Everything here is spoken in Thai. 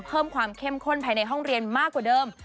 เพิ่มความเข้มข้นภายในห้องเรียนมากกว่าเดิม